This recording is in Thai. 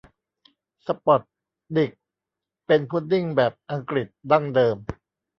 สปอตดิกเป็นพุดดิ้งแบบอังกฤษดั้งเดิม